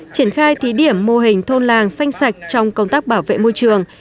triển khai thí điểm mô hình thôn làng xanh sạch trong công tác bảo vệ môi trường